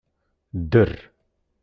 Dder!